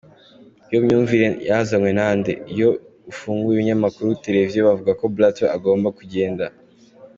Iyo myumvire yazanywe na nde? Iyo ufunguye ibinyamakuru, televiziyo, bavuga ko Blatter agomba kugenda.